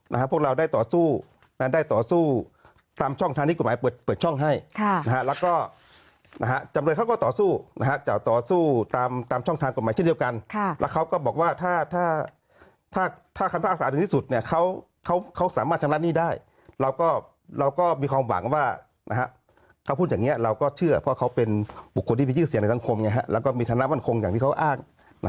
นั้นได้ต่อสู้ตามช่องทางนี้กฎหมายเปิดช่องให้แล้วก็จำเลยเขาก็ต่อสู้ต่อสู้ตามช่องทางกฎหมายเช่นเดียวกันแล้วเขาก็บอกว่าถ้าคำพิพากษาถึงที่สุดเนี่ยเขาสามารถทำรับหนี้ได้เราก็มีความหวังว่าเขาพูดอย่างเงี้ยเราก็เชื่อเพราะเขาเป็นบุคคลที่มีชื่อเสียงในสังคมเนี่ยแล้วก็มีธนาคมว่านคงอย่างที่เขาอ้าง